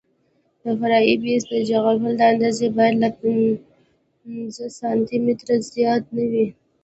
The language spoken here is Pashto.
د فرعي بیس د جغل اندازه باید له پنځه سانتي مترو زیاته نه وي